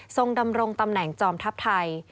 ดำรงตำแหน่งจอมทัพไทย